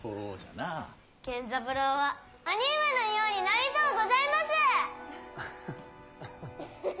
源三郎は兄上のようになりとうございます！